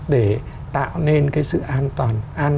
để tạo nên cái sự an toàn